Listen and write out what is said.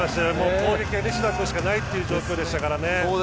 攻撃が西田君しかいないという状況でしたから。